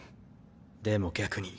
でも逆に。